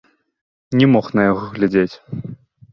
Не мог на яго глядзець.